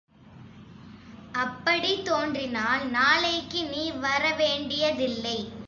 அப்படித் தோன்றினால், நாளைக்கு நீ வரவேண்டியதில்லை.